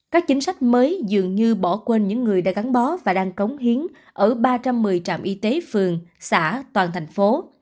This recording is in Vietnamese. các chính sách mới dường như bỏ quên những người đã gắn bó và đang cống hiến ở ba trăm một mươi trạm y tế phường xã toàn thành phố